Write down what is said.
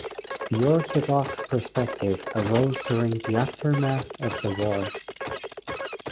The Orthodox perspective arose during the aftermath of the war.